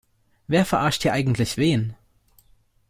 Wer verarscht hier eigentlich wen?